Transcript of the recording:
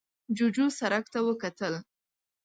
جوجو سرک ته وکتل.